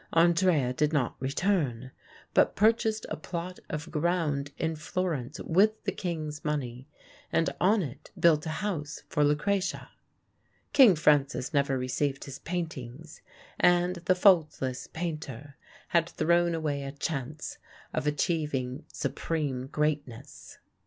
Andrea did not return; but purchased a plot of ground in Florence with the king's money, and on it built a house for Lucrezia. King Francis never received his paintings, and the "faultless painter" had thrown away a chance of achieving supreme greatness.